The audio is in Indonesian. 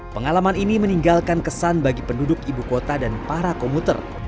pengalaman ini meninggalkan kesan bagi penduduk ibu kota dan para komuter